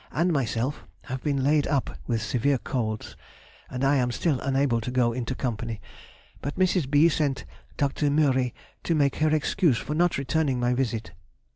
and myself have been laid up with severe colds, and I am still unable to go into company, but Mrs. B. sent Dr. Mühry to make her excuse for not returning my visit.